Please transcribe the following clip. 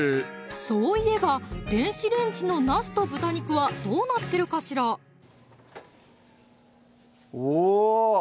そういえば電子レンジのなすと豚肉はどうなってるかしらおぉ